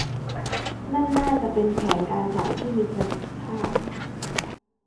นั่นน่าจะเป็นแผนการจ่ายที่มีประสิทธิภาพ